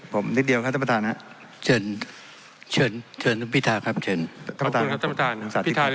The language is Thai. ผมเรียกเดียวครับท่านประธาน